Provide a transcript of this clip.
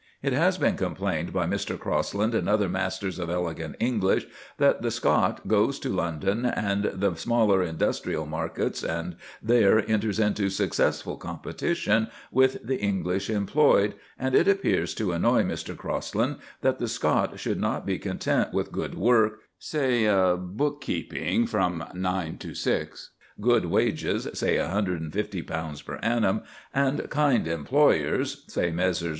It has been complained by Mr. Crosland and other masters of elegant English that the Scot goes to London and the smaller industrial markets and there enters into successful competition with the English employed, and it appears to annoy Mr. Crosland that the Scot should not be content with good work, say book keeping from nine to six, good wages, say £150 per annum, and kind employers, say Messrs.